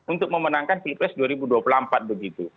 untuk memenangkan pilpres dua ribu dua puluh empat begitu